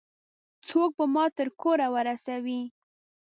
څوک به ما تر کوره ورسوي؟